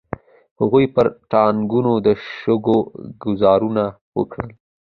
هغوی پر ټانګونو د شګو ګوزارونه وکړل.